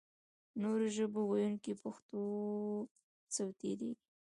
نورو ژبو ویونکي پښتو څخه تېرېږي.